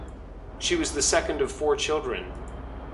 She was the second of four children.